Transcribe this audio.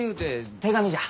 手紙じゃ。